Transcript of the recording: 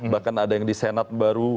bahkan ada yang di senat baru